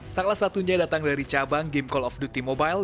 salah satunya datang dari cabang game call of dut mobile